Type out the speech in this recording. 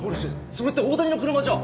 それって大谷の車じゃ？